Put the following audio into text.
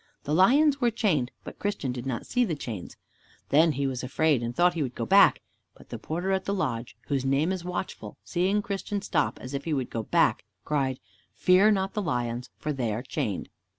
The lions were chained, but Christian did not see the chains. Then he was afraid and thought he would go back, but the porter at the lodge, whose name is Watchful, seeing Christian stop, as if he would go back, cried, "Fear not the lions, for they are chained."